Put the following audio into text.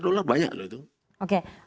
dolar banyak loh itu oke